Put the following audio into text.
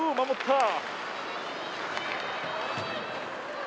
守った！